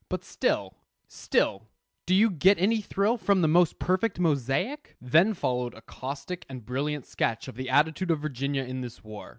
But still still, do you get any thrill from the most perfect mosaic? Then followed a caustic and brilliant sketch of the attitude of Virginia in this war.